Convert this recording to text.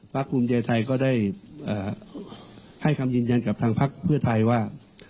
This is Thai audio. ภูมิใจไทยก็ได้ให้คำยืนยันกับทางพักเพื่อไทยว่า